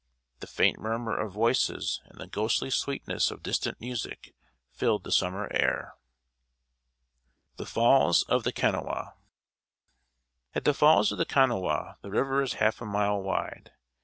The faint murmur of voices, and the ghostly sweetness of distant music, filled the summer air. [Sidenote: THE FALLS OF THE KANAWHA.] At the Falls of the Kanawha the river is half a mile wide.